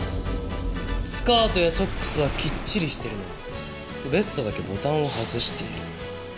スカートやソックスはきっちりしてるのにベストだけボタンを外している。